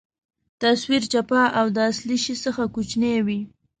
تصویر چپه او د اصلي شي څخه کوچنۍ وي.